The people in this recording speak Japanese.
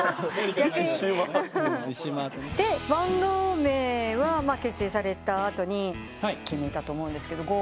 でバンド名は結成された後に決めたと思うんですけどｇｏ！